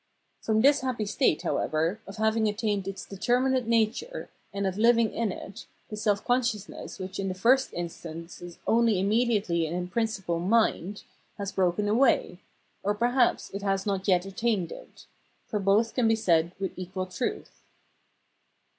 From this happy state, however, of having attained its determinate nature, and of living in it, the self consciousness, which in the first instance is only imme diately and in principle mind, has broken away ; or perhaps it has not yet attained it : for both can be said with equal truth.